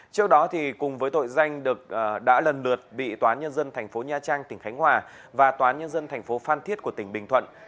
trước đó cùng với tội danh đã lần lượt bị tòa nhân dân thành phố nha trang tỉnh khánh hòa và tòa nhân dân thành phố phan thiết của tỉnh bình thuận